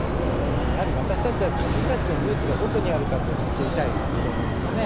やはり、私たちは自分たちのルーツがどこにあるかというのを知りたいと思いますね。